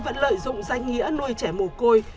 vẫn lợi dụng danh nghĩa nuôi trẻ mồ côi